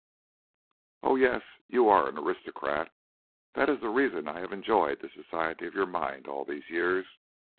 "Oh, yes, you are an aristocrat. That is the reason I have enjoyed the society of your mind all these years.